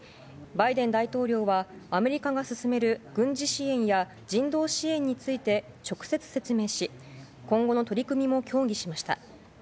バイデン大統領はアメリカが進める軍事支援や人道支援について直接説明し今後の取り組みも協議しました。